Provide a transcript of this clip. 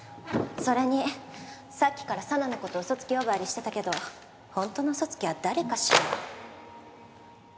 それにさっきから紗奈のことうそつき呼ばわりしてたけどほんとのうそつきは誰かしら。